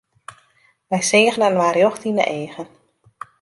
Wy seagen inoar rjocht yn 'e eagen.